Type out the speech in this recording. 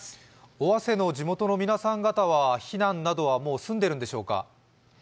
尾鷲の地元の皆さん方は避難などは済んでいるのでしょうか？